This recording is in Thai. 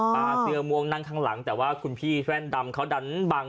เสื้อม่วงนั่งข้างหลังแต่ว่าคุณพี่แว่นดำเขาดันบัง